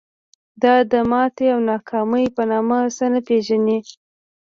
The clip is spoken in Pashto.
دا د ماتې او ناکامۍ په نامه څه نه پېژني.